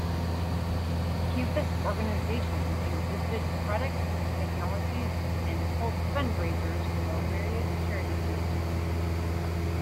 Campus organizations exhibited products, technologies, and hold fund raisers for various charity groups.